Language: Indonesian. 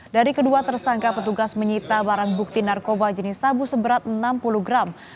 dari kedua tersangka petugas menyita barang bukti narkoba jenis sabu seberat enam puluh gram